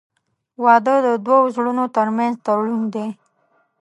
• واده د دوه زړونو تر منځ تړون دی.